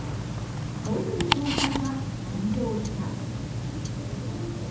小泉総裁が誕生した。